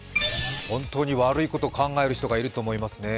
本当に悪いこと考える人がいると思いますね。